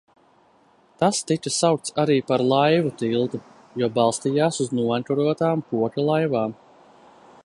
Tas tika saukts arī par Laivu tiltu, jo balstījās uz noenkurotām koka laivām.